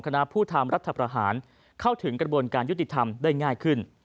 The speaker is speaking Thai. คณะผู้ทำรัฐประหารเข้าถึงกระบวนการยุติธรรมได้ง่ายขึ้น